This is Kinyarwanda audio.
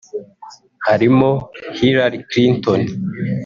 harimo Hillary Clinton